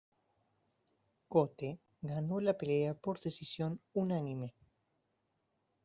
Cote ganó la pelea por decisión unánime.